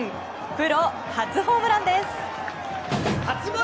プロ初ホームランです。